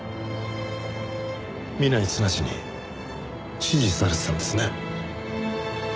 南井十に指示されてたんですね。